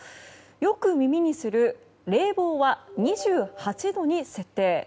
よく耳にする冷房は２８度に設定。